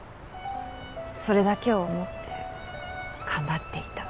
それだけを思って頑張っていた。